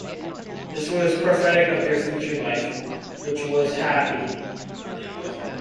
This was prophetic of their future life, which was most happy.